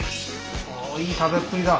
いい食べっぷりだ！